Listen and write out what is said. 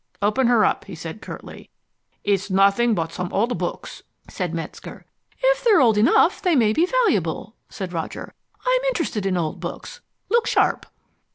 "Open her up," he said curtly. "It's nothing but some old books," said Metzger. "If they're old enough they may be valuable," said Roger. "I'm interested in old books. Look sharp!"